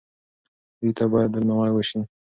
دوی ته باید درناوی وشي.